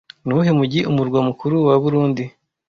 Nuwuhe mujyi umurwa mukuru wa burundi